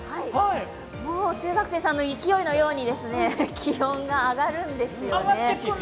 もう中学生さんの勢いのように気温が上がるんですよね。